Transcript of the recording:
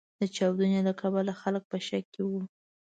د چاودنې له کبله خلګ په شک کې و.